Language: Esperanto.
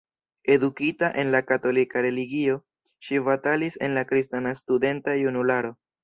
Edukita en la katolika religio, ŝi batalis en la kristana studenta junularo.